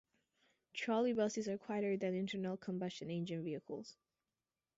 Trolleybuses are quieter than internal combustion engine vehicles.